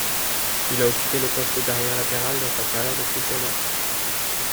Il a occupé le poste d'arrière latéral dans sa carrière de footballeur.